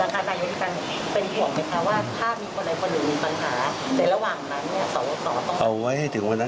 ดังนั้นนายธิกังเป็นห่วงไหมคะว่าถ้ามีคนไหนคนหนึ่งมีปัญหา